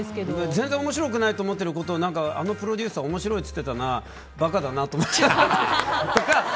全然面白くないと思ってることをあのプロデューサー面白いって言ってたな馬鹿だなと思っちゃう。